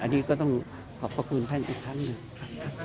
อันนี้ก็ต้องขอบพระคุณท่านอีกครั้งหนึ่ง